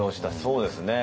そうですね。